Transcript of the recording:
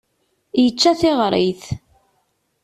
Yečča tiɣrit.